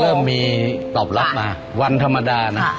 เริ่มมีตอบรับมาวันธรรมดานะ